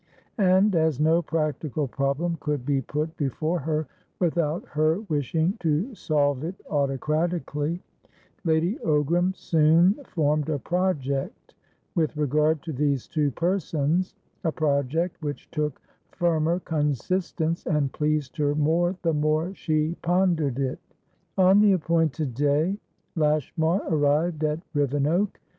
And, as no practical problem could be put before her without her wishing to solve it autocratically, Lady Ogram soon formed a project with regard to these two persons, a project which took firmer consistence, and pleased her more, the more she pondered it. On the appointed day, Lashmar arrived at Rivenoak.